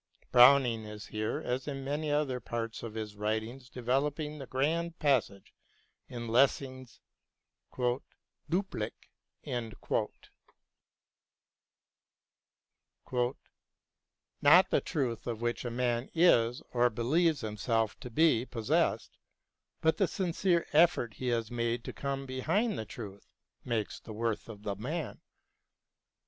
Browning is here, as in many other parts of his writings, developing the grand passage in Lessing's " Duplik ": i Not the truth of which a man is or believes himself to be possessed but the sincere e£Fort he has made to come behind the truth makes the worth of the man.